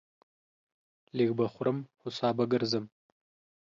لږ به خورم ، هو سا به گرځم.